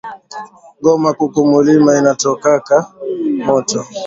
Goma kuko mulima inatokaka moto